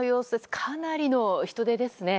かなりの人出ですね。